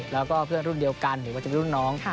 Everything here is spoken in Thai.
แล้วก็เพื่อนรุ่นเดียวกันหรือว่าจะเป็นรุ่นน้อง